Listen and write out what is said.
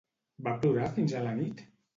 Va plorar fins a la nit?